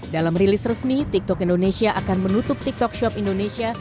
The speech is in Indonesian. dalam rilis resmi tiktok indonesia akan menutup tiktok shop indonesia